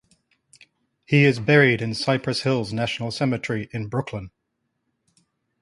He is buried in Cypress Hills National Cemetery in Brooklyn.